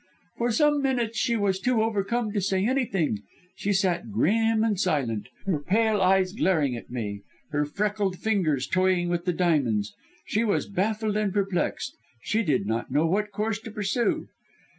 "For some minutes she was too overcome to say anything; she sat grim and silent, her pale eyes glaring at me, her freckled fingers toying with the diamonds. She was baffled and perplexed she did not know what course to pursue!